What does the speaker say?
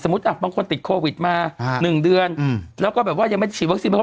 บางคนติดโควิดมา๑เดือนแล้วก็แบบว่ายังไม่ฉีดวัคซีน